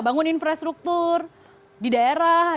bangun infrastruktur di daerah